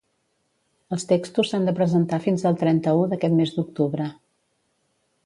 Els textos s’han de presentar fins el trenta-u d’aquest mes d’octubre.